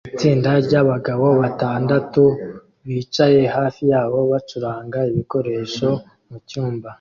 Itsinda ryabagabo batandatu bicaye hafi yabo bacuranga ibikoresho mucyumba